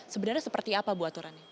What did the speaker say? sebenarnya seperti apa bu aturan ini